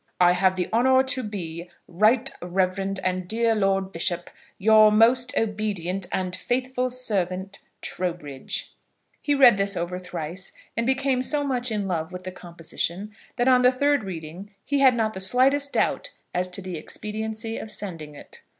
I have the honour to be, Right Reverend and dear Lord Bishop, Your most obedient and faithful Servant, TROWBRIDGE. He read this over thrice, and became so much in love with the composition, that on the third reading he had not the slightest doubt as to the expediency of sending it.